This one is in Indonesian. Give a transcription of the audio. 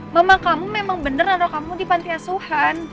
mama kamu memang benar naruh kamu di panti asuhan